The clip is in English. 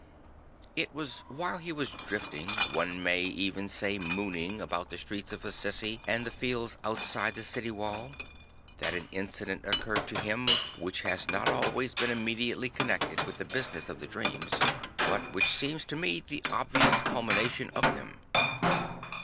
It was while he was drifting, one may even say mooning, about the streets of Assisi and the fields outside the city wall, that an incident occurred to him which has not always been immediately connected with the business of the dreams, but which seems to me the obvious culmination of them.